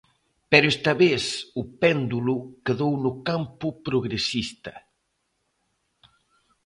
Pero esta vez o péndulo quedou no campo progresista.